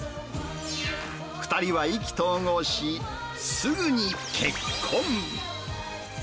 ２人は意気投合し、すぐに結婚。